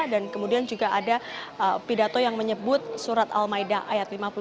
dan kemudian juga ada pidato yang menyebut surat al maida ayat lima puluh satu